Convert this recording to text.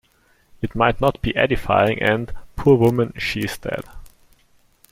It might not be edifying and, poor woman, she is dead.